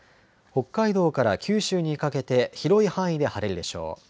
北海道から九州にかけて広い範囲で晴れるでしょう。